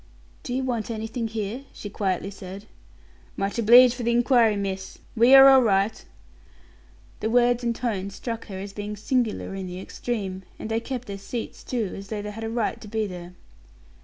"Do you want anything here?" she quietly said. "Much obleeged for the inquiry, miss. We are all right." The words and tone struck her as being singular in the extreme; and they kept their seats, too, as though they had a right to be there.